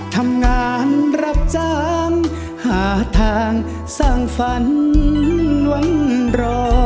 ทำงานรับจ้างหาทางสร้างฝันหวังรอ